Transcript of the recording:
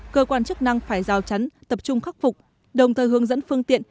cơ quan chức năng phải rào chắn tập trung khắc phục đồng thời hướng dẫn phương tiện